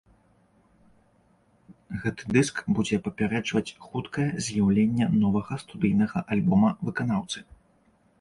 Гэты дыск будзе папярэджваць хуткае з'яўленне новага студыйнага альбома выканаўцы.